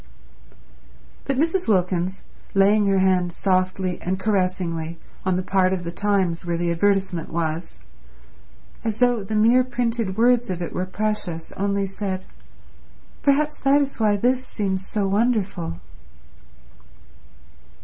But Mrs. Wilkins, laying her hand softly and caressingly on the part of The Times where the advertisement was, as though the mere printed words of it were precious, only said, "Perhaps that is why this seems so wonderful."